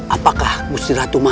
apakah musti ratu mati